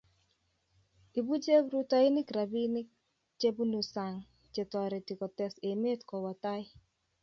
ibu cheprutoinik robik che bunu sang' che toritu kotes emet kowo tai